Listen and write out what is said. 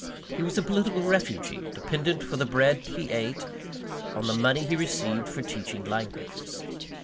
He was a political refugee, dependent for the bread he ate, on the money he received for teaching languages.